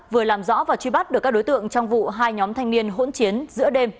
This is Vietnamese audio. vừa làm rõ và truy bắt được các đối tượng trong vụ hai nhóm thanh niên hỗn chiến giữa đêm